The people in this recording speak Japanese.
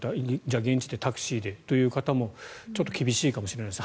現地でタクシーでという方もちょっと厳しいかもしれないですね。